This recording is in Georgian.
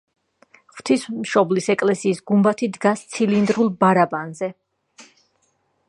ღვთისმშობლის ეკლესიის გუმბათი დგას ცილინდრულ ბარაბანზე.